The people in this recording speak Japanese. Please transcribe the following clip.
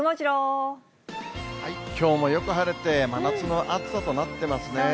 きょうもよく晴れて、真夏の暑さとなってますね。